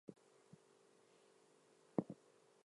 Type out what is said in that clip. It joins the Roaring Fork below Carbondale.